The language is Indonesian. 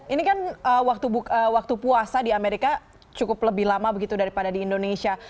ini kan waktu puasa di amerika cukup lebih lama begitu daripada di indonesia